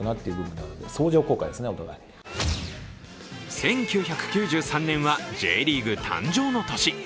１９９３年はＪリーグ誕生の年。